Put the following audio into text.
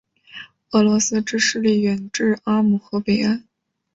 俄罗斯之势力远至阿姆河北岸。